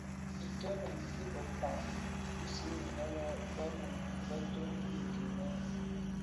Itōnen kii keba bi zi innë bë-mun bë toni gènë.